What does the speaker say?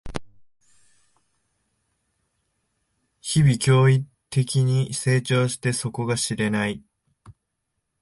日々、驚異的に成長して底が知れない